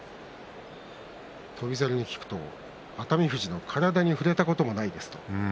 翔猿に聞くと熱海富士の体に触れたこともないですと。